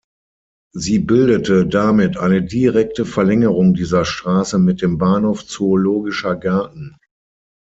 Sie bildete damit eine direkte Verlängerung dieser Straße mit dem Bahnhof Zoologischer Garten.